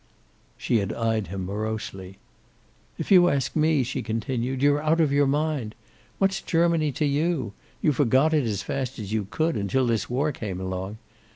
She had eyed him morosely. "If you ask me," she continued, "you're out of your mind. What's Germany to you? You forgot it as fast as you could, until this war came along.